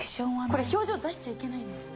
これ表情出しちゃいけないんですか？